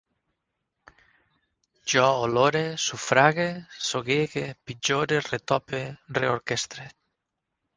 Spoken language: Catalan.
Jo olore, sufrague, soguege, pitjore, retope, reorquestre